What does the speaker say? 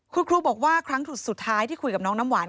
คุณครูบอกว่าครั้งสุดท้ายที่คุยกับน้องน้ำหวาน